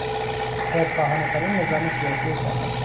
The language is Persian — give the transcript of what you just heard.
خیرخواهانه ترین نظام سیاسی جهان